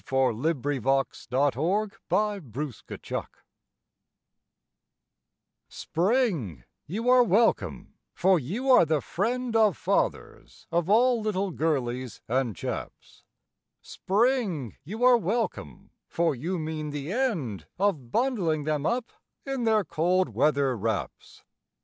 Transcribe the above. WELCOME TO SPRING Spring, you are welcome, for you are the friend of Fathers of all little girlies and chaps. Spring, you are welcome, for you mean the end of Bundling them up in their cold weather wraps.